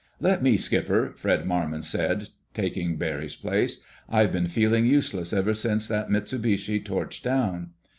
"Let me, Skipper!" Fred Marmon said, taking Barry's place. "I've been feeling useless ever since that Mitsubishi torched down."